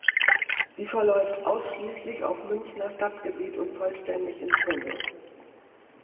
Sie verläuft ausschließlich auf Münchner Stadtgebiet und vollständig im Tunnel.